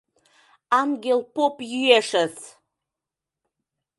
«Ангел поп йӱэшыс!»